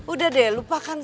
udah deh lupakan